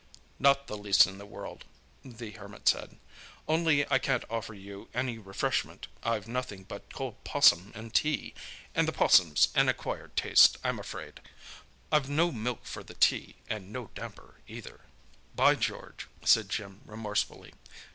"Not the least in the world," the Hermit said. "Only I can't offer you any refreshment. I've nothing but cold 'possum and tea, and the 'possum's an acquired taste, I'm afraid. I've no milk for the tea, and no damper, either!" "By George!" said Jim remorsefully.